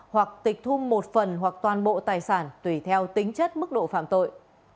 hoặc tịch thu một phần hoặc toàn bộ tài sản tùy theo tính chất mức độ phạm tội